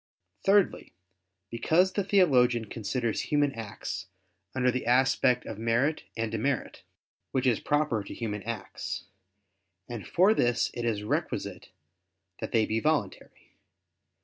Thirdly, because the theologian considers human acts under the aspect of merit and demerit, which is proper to human acts; and for this it is requisite that they be voluntary.